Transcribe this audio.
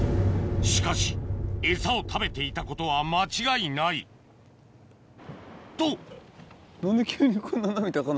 しかしエサを食べていたことは間違いないと！